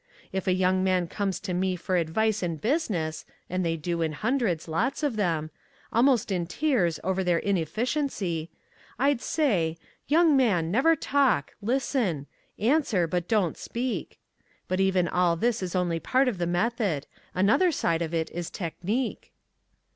If a young man comes to me for advice in business, and they do in hundreds, lots of them, almost in tears over their inefficiency, I'd say, 'Young man, never talk, listen; answer, but don't speak.' But even all this is only part of the method. Another side of it is technique."